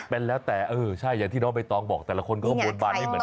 เป็นแล้วแต่อย่างที่น้องเบ้ต้องบอกแต่ละคนบนบ้านเหมือนกัน